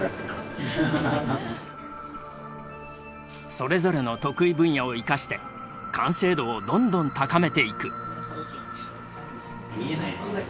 それぞれの得意分野を生かして完成度をどんどん高めていく。